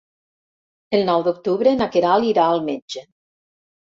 El nou d'octubre na Queralt irà al metge.